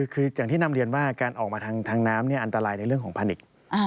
คืออย่างที่นำเรียนว่าการออกมาทางน้ำอันตรายในเรื่องของพานิก